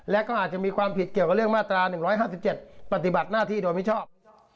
และก็อาจจะมีความผิดเกี่ยวกับเรื่องมาตรา๑๕๗ปฏิบัติหน้าที่โดยมิชอบ